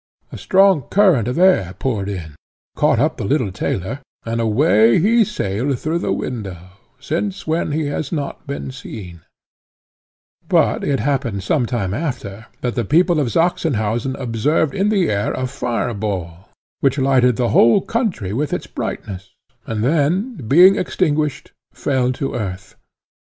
A strong current of air poured in, caught up the little tailor, and away he sailed through the window, since when he has not been seen; but it happened some time after, that the people of Sachsenhausen observed in the air a fire ball, which lighted the whole country with its brightness, and then, being extinguished, fell to earth.